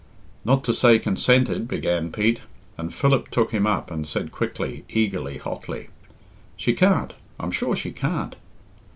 "Not to say consented " began Pete; and Philip took him up and said quickly, eagerly, hotly "She can't I'm sure she can't."